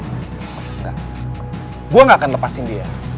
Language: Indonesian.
enggak gue gak akan lepasin dia